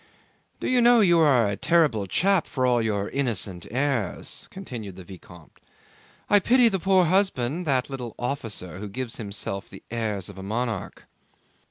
"Do you know, you are a terrible chap for all your innocent airs," continued the vicomte. "I pity the poor husband, that little officer who gives himself the airs of a monarch."